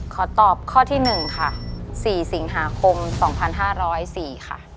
ขอตอบข้อที่๑ค่ะ๔สิงหาคม๒๕๐๔ค่ะ